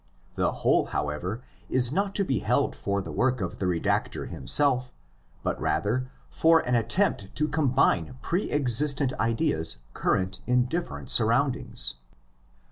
The whole, however, 18 not to be held for the work of the redactor himself, but rather for an attempt to combine pre existent ideas current in different surroundings.